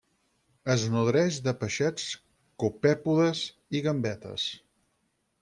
Es nodreix de peixets, copèpodes i gambetes.